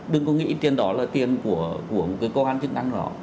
đừng có nghĩ tiền đó là tiền của một cái công an chức năng đó